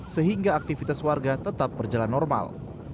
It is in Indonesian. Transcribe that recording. sehingga aktivitas warga tetap berjalan normal